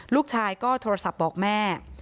ลูกชายก็โทรศัพท์บอกแม่